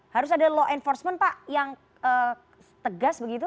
harus ada law enforcement pak yang tegas begitu